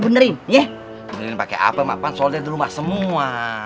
benerin pake apa emak pan soalnya di rumah semua